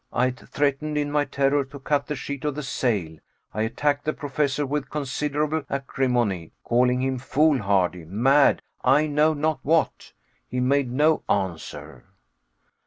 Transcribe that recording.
I threatened in my terror to cut the sheet of the sail. I attacked the Professor with considerable acrimony, calling him foolhardy, mad, I know not what. He made no answer.